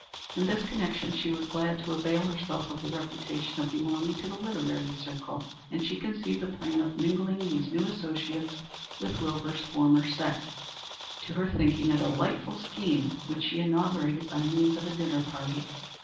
In this connection she was glad to avail herself of the reputation of belonging to the literary circle, and she conceived the plan of mingling these new associates with Wilbur's former set to her thinking a delightful scheme, which she inaugurated by means of a dinner party.